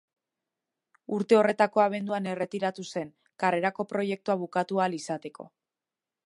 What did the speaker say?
Urte horretako abenduan erretiratu zen, karrerako proiektua bukatu ahal izateko.